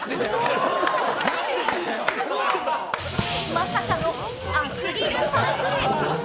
まさかのアクリルパンチ。